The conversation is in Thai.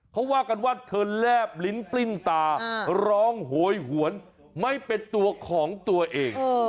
เขาว่ากันว่าเธอแลบลิ้นปลิ้นตาร้องโหยหวนไม่เป็นตัวของตัวเอง